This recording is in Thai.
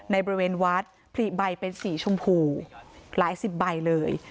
บริเวณวัดผลิใบเป็นสีชมพูหลายสิบใบเลย